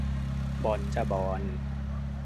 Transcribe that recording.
บอลจ้ะบอล